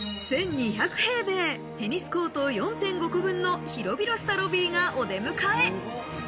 １２００平米、テニスコート４．５個分の広々としたロビーがお出迎え。